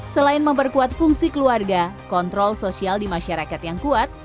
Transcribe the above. selain memperkuat fungsi keluarga kontrol sosial di masyarakat yang kuat